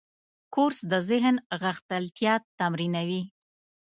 کورس د ذهن غښتلتیا تمرینوي.